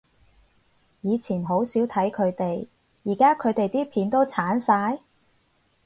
以前好少睇佢哋，而家佢哋啲片都剷晒？